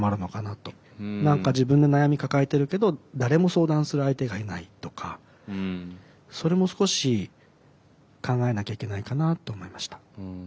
何か自分で悩み抱えてるけど誰も相談する相手がいないとかそれも少し考えなきゃいけないかなって思いました。